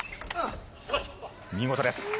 見事です。